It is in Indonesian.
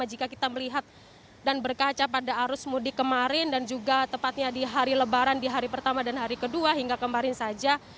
jika kita melihat dan berkaca pada arus mudik kemarin dan juga tepatnya di hari lebaran di hari pertama dan hari kedua hingga kemarin saja